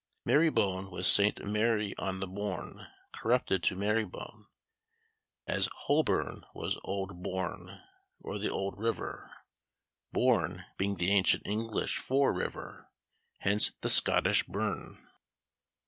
Marybone was St. Mary on the Bourne, corrupted to Marybone; as Holborn was Old Bourn, or the Old River; Bourne being the ancient English for river; hence the Scottish Burn.